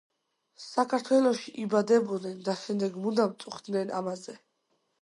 საქართველოში იბადებოდნენ და შემდეგ მუდამ წუხდნენ ამაზე